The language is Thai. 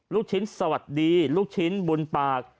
ลูกชิ้นสวัสดีลูกชิ้นบุญปาก